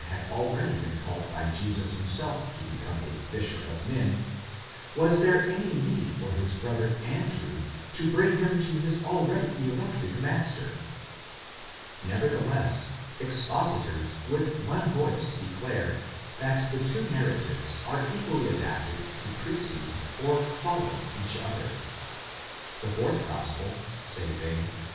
had already been called by Jesus himself to become a fisher of men, was there any need for his brother Andrew to bring him to his already elected master. Nevertheless, expositors with one voice declare that the two narratives are equally adapted to precede, or follow, each other. The fourth gospel, say they